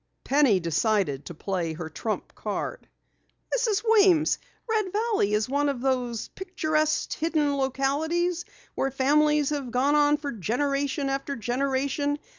Penny decided to play her trump card. "Mrs. Weems, Red Valley is one of those picturesque hidden localities where families have gone on for generation after generation.